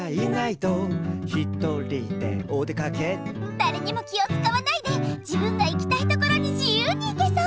だれにも気をつかわないで自分が行きたいところに自由に行けそう！